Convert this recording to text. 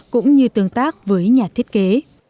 cũng như tương tác với nhà thiết kế